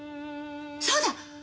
そうだ！